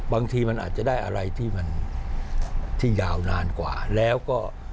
บางทีมันอาจจะได้อะไรที่มันที่ยาวนานกว่าแล้วก็